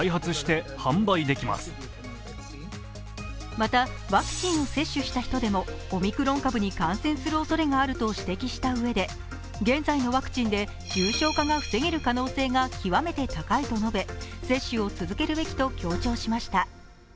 また、ワクチンを接種した人でもオミクロン株に感染するおそれがあると指摘したうえで現在のワクチンで重症化が防げる可能性が極めて高いと述べ、接種を続けるべきと強調しました。